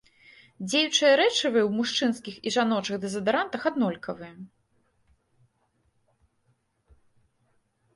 Дзеючыя рэчывы ў мужчынскіх і жаночых дэзадарантах аднолькавыя.